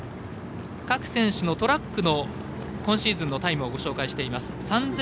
各選手のトラックの今シーズンのタイムをご紹介しています。